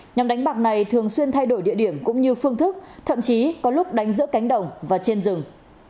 nhóm đánh bạc này thường xuyên thay đổi địa điểm cũng như phương thức thậm chí có lúc đánh giữa cánh đồng và trên rừng